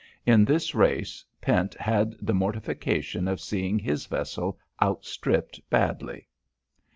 In this race Pent had the mortification of seeing his vessel outstripped badly.